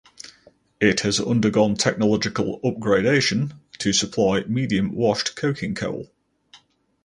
It has undergone technological upgradation to supply medium washed coking coal.